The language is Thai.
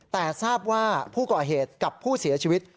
แต่ทราบว่าผู้ก่อเหตุกับผู้เสียชีวิต